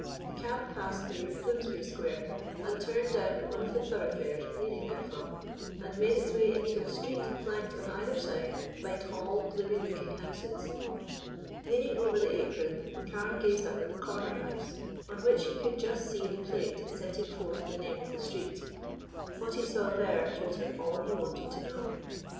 The cab passed through Bloomsbury Square, and turned down one of the thoroughfares leading therefrom, and made its way into a street flanked on either side by tall, gloomy looking houses. Leaning over the apron, Carne gazed up at the corner house, on which he could just see the plate setting forth the name of the street. What he saw there told him all he wanted to know.